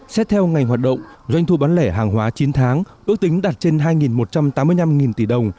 xét theo ngành hoạt động doanh thu bán lẻ hàng hóa chín tháng ước tính đạt trên hai một trăm tám mươi năm tỷ đồng